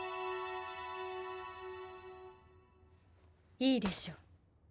いいでしょう。